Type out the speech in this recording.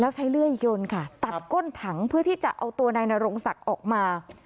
แล้วใช้เลื่อยยนค่ะตัดก้นถังเพื่อที่จะเอาตัวนายนรงศักดิ์ออกมา